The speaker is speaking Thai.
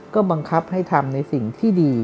ก็บังคับให้ทำในสิ่งที่ดี